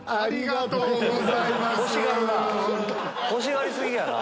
欲しがり過ぎやな。